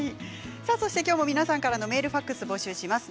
今日も皆さんからのメール、ファックスを募集します。